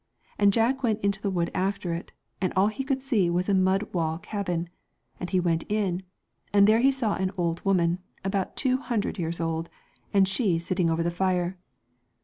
And Jack went into the wood after it, and all he could see was a mud wall cabin, and he went in, and there he saw an old woman, about two hundred years old, and she sitting over the fire.